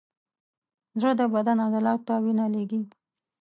زړه د بدن عضلاتو ته وینه لیږي.